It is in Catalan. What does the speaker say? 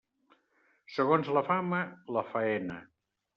Segons la fama, la faena.